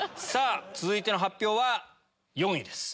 続いての発表は４位です。